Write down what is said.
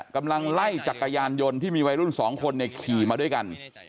กำลังไล่จักรยานยนต์ที่มีวัยรุ่น๒คนขี่มาด้วยกัน